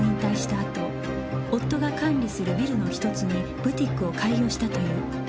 あと夫が管理するビルの１つにブティックを開業したという